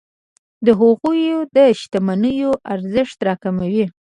د هغوی د شتمنیو ارزښت راکموي.